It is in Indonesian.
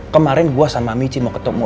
kemarin gue sama michi mau ketemu